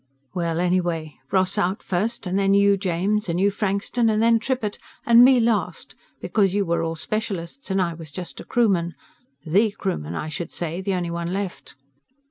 Well, anyway, Ross out first, and then you, James, and you, Frankston, and then Trippitt, and me last, because you were all specialists and I was just a crewman. The crewman, I should say, the only one left.